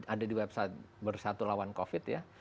ada di website bersatu lawan covid ya